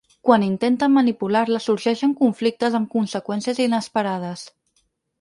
Quan intenten manipular-la sorgeixen conflictes amb conseqüències inesperades.